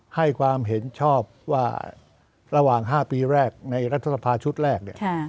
ให้ความเห็นชอบว่าระหว่าง๕ปีแรกในรัฐสภาชุดแรก